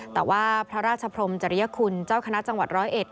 แต่ว่าพระราชพรมจริยคุณเจ้าคณะจังหวัดร้อยเอ็ด